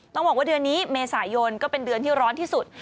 บอกว่าเดือนนี้เมษายนก็เป็นเดือนที่ร้อนที่สุด